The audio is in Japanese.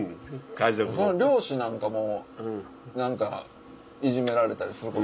漁師なんかもいじめられたりすること？